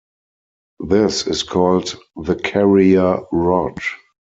This is called the carrier rod.